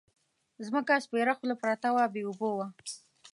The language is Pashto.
ځمکه سپېره خوله پرته وه بې اوبو وه.